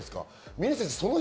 峰先生。